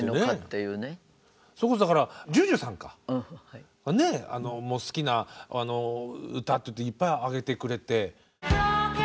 それこそＪＵＪＵさんか好きな歌っていっていっぱい挙げてくれて。